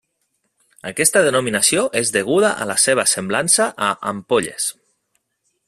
Aquesta denominació és deguda a la seva semblança a ampolles.